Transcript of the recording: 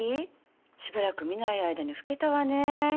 しばらく見ない間に老けたわね」。